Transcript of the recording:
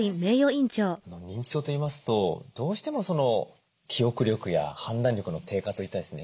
認知症といいますとどうしても記憶力や判断力の低下といったですね